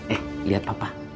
eh liat papa